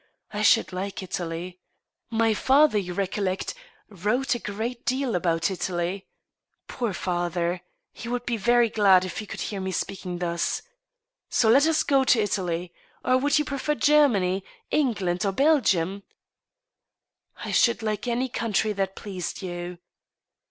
I should like Italy. ... My father, you recollect, wrote a great deal about Italy. ... Poor father ! He would be very glad if he could hear me speaking thus. So let us go to Italy. .;. Or, would you prefer Germany, England, or Belgium ?"" I should like any country that pleased you."